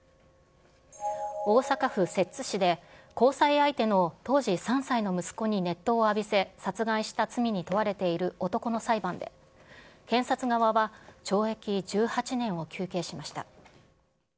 大阪府摂津市で、交際相手の当時３歳の息子に熱湯を浴びせ、殺害した罪に問われている男の裁判で、検察側は懲役１８年を求刑しました。